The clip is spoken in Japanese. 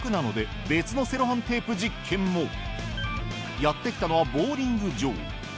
やって来たのはボウリング場